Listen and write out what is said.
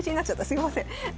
すいません。